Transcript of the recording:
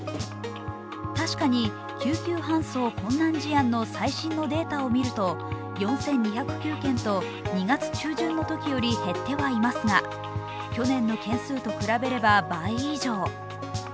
確かに、救急搬送困難事案の最新のデータを見ると４２０９件と２月中旬のときより減ってはいますが去年の件数と比べれば倍以上。